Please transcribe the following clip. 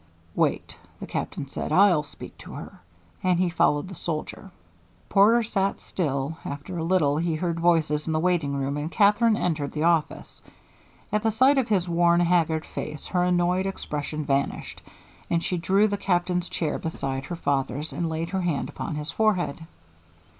"Wait," the Captain said; "I'll speak to her," and he followed the soldier. Porter sat still. After a little he heard voices in the waiting room, and Katherine entered the office. At the sight of his worn, haggard face her annoyed expression vanished, and she drew the Captain's chair beside her father's and laid her hand upon his forehead.